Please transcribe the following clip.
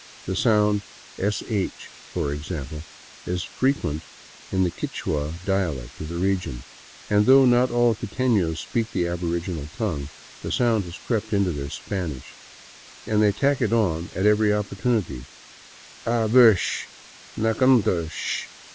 The sound " sh," for instance, is frequent in the Quichua dialect of the region, and though not all quitefios speak the aboriginal tongue, the sound has crept into their Spanish, and they tack it on at every opportunity —" A ver sh, Nicanor sh."